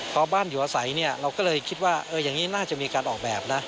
พอบ้านอยู่อาศัยเนี่ยเราก็เลยคิดว่าอย่างนี้น่าจะมีการออกแบบนะ